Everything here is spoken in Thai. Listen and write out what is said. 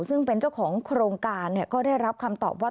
ซึ่งเป็นเจ้าของโครงการก็ได้รับคำตอบว่า